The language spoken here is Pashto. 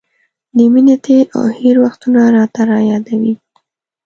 د مینې تېر او هېر وختونه راته را یادوي.